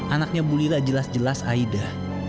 anaknya ibu lilat jelas jelas aida